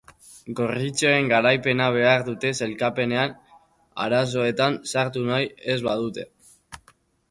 Gorritxoek garaipena behar dute sailkapenean arazoetan sartu nahi ez badute.